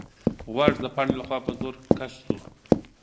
غوږ د پاڼې لخوا په زور کش شو.